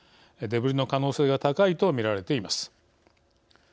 デブリの可能性が高いとみられています。